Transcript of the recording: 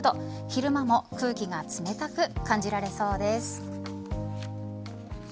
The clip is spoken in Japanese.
昼間も空気が冷たく感じられそうです。